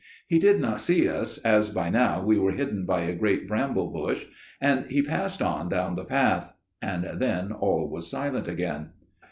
He did not see us, as by now we were hidden by a great bramble bush, and he passed on down the path; and then all was silent again.